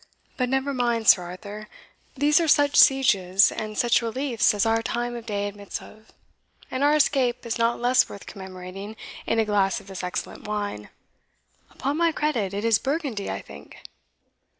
But never mind, Sir Arthur these are such sieges and such reliefs as our time of day admits of and our escape is not less worth commemorating in a glass of this excellent wine Upon my credit, it is Burgundy, I think."